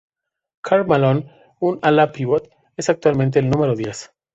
Karl Malone, un ala-pívot, es actualmente el número diez.